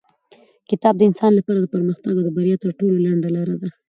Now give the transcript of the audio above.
کتاب د انسان لپاره د پرمختګ او بریا تر ټولو لنډه لاره ده.